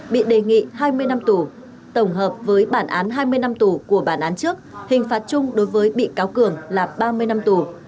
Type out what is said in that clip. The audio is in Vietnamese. bị đề nghị hai mươi năm tù tổng hợp với bản án hai mươi năm tù của bản án trước hình phạt chung đối với bị cáo cường là ba mươi năm tù